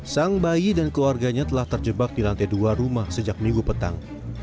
sang bayi dan keluarganya telah terjebak di lantai dua rumah sejak minggu petang